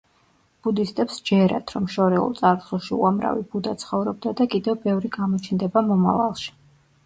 ბუდისტებს ჯერათ, რომ შორეულ წარსულში უამრავი ბუდა ცხოვრობდა და კიდევ ბევრი გამოჩნდება მომავალში.